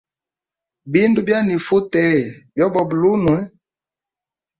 Bindu byanifuteya byoboba lulunwe.